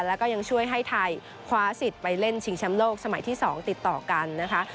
แล้วก็ยังช่วยให้ไทยคว้าสิทธิ์ไปเล่นชิงแชมป์โลกสมัยที่๒ติดต่อกันนะคะ